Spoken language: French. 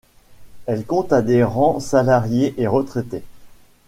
Elle compte adhérents salariés et retraités.